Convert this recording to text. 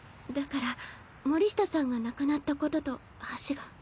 だから森下さんが亡くなったことと橋が。